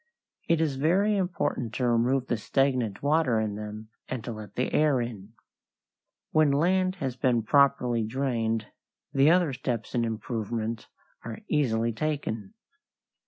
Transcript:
It is very important to remove the stagnant water in them and to let the air in. When land has been properly drained the other steps in improvement are easily taken.